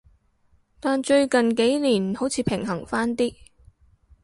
但最近幾年好似平衡返啲